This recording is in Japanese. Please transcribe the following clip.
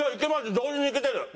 同時にいけてる。